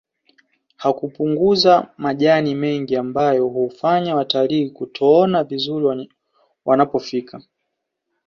Hkupunguza majani mengi ambayo huwafanya watalii kutoona vizuri wanapofika